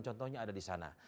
dan contohnya ada di sana